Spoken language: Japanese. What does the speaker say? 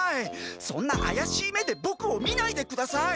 そんなあやしい目でボクを見ないでください。